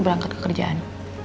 berangkat ke kerjaan